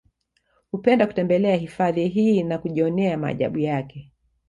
Hupenda kutembelea hifadhi hii na kujionea maajabu yake